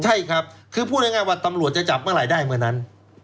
ใช่ครับคือพูดง่ายว่าตำรวจจะจับเมื่อไหร่ได้เมื่อนั้น